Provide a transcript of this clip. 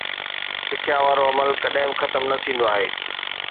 سکيا وارو عمل ڪڏهن به ختم نه ٿيندو آهي